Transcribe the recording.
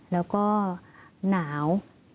แล้วก็หนาว